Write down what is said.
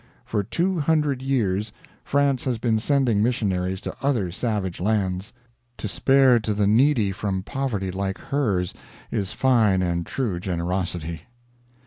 For two hundred years France has been sending missionaries to other savage lands. To spare to the needy from poverty like hers is fine and true generosity."